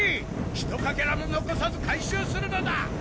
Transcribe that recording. ひとかけらも残さず回収するのだ！